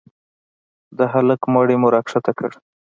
د هلك مړى مو راكښته كړ.